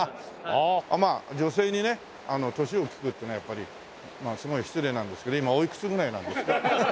まあ女性にね年を聞くっていうのはやっぱりすごい失礼なんですけど今おいくつぐらいなんですか？